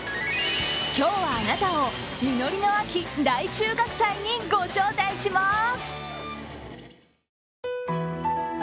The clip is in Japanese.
今日はあなたを、実りの秋・大収穫祭にご招待します！